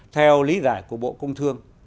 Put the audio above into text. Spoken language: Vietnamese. theo lý giải của bộ công thương